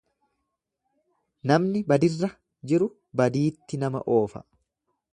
Namni badirra jiru badiitti nama oofa.